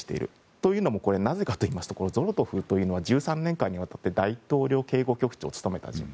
というのもなぜかというとゾロトフというのは１３年間にわたり大統領警護局長を務めた人物。